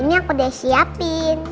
ini aku udah siapin